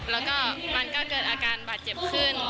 แล้วก็มันก็เกิดอาการบาดเจ็บขึ้น